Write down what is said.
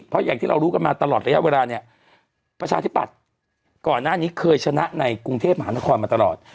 เพราะอย่างที่เรารู้กันมาตลอดระยะเวลาเนี่ยประชาธิปัตย์ก่อนหน้านี้เคยชนะในกรุงเทพมหานครมาตลอด